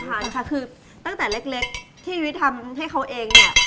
ทานค่ะคือตั้งแต่เล็กที่ยุ้ยทำให้เขาเองเนี่ย